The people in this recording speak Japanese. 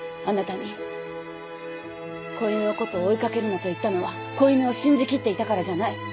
あなたに子犬のことを追い掛けるなと言ったのは子犬を信じきっていたからじゃない。